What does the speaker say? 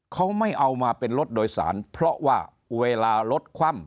เขาไม่เอามาเป็นรถโดยสารเพราะว่าเวลารถคว่ำ